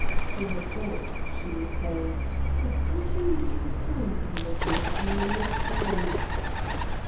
To herself she was saying: "A pretty little sample of the eternal triangle!"